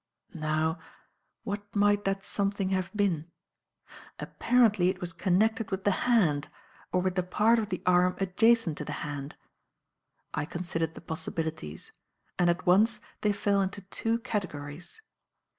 "Now what might that something have been? Apparently it was connected with the hand or with the part of the arm adjacent to the hand. I considered the possibilities; and at once they fell into two categories.